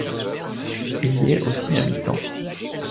Il est aussi à mi-temps.